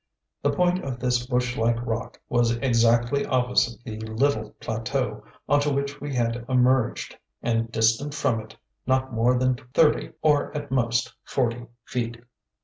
The point of this bush like rock was exactly opposite the little plateau on to which we had emerged and distant from it not more than thirty, or at most, forty feet.